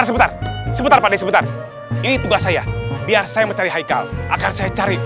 sempet sempet sempet ini tugas saya biar saya mencari hai kalau akan saya cari